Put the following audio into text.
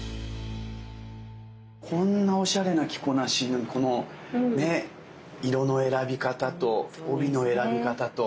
こんなおしゃれな着こなしにこのね色の選び方と帯の選び方と。